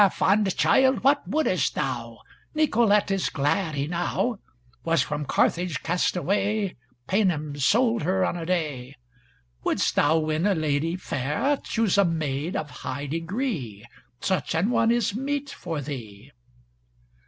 fond child, what wouldest thou? Nicolete is glad enow! Was from Carthage cast away, Paynims sold her on a day! Wouldst thou win a lady fair Choose a maid of high degree Such an one is meet for thee."